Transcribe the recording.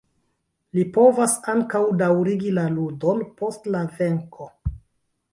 Li povas ankaŭ daŭrigi la ludon post la venko.